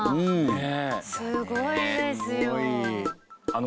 すごいですよ。